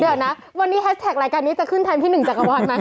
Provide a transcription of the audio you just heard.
เดี๋ยวนะวันนี้แฮชแท็กรายการนี้จะขึ้นแทนพี่หนึ่งจักรพรไหม